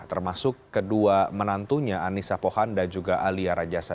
termasuk kedua menantunya ani sapohan dan juga alia rajasa